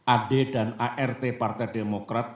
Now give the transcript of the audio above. ad dan art partai demokrat